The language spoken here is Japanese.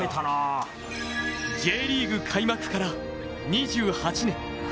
Ｊリーグ開幕から２８年。